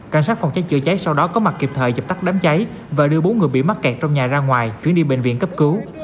cảnh sát phòng cháy chữa cháy sau đó có mặt kịp thời dập tắt đám cháy và đưa bốn người bị mắc kẹt trong nhà ra ngoài chuyển đi bệnh viện cấp cứu